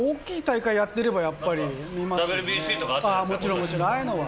もちろんもちろんああいうのは。